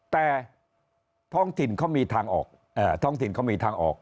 แต่ท้องถิ่นเขามีทางออก